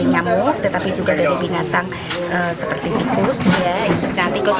nyamuk tetapi juga dari binatang seperti tikus tikus